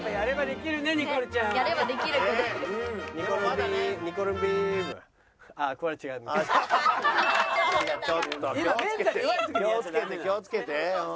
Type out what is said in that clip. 気を付けて気を付けて。